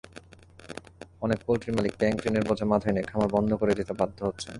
অনেক পোলট্রিমালিক ব্যাংকঋণের বোঝা মাথায় নিয়ে খামার বন্ধ করে দিতে বাধ্য হচ্ছেন।